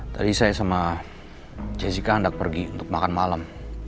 tadi saya sama jessica hendak pergi untuk makan malam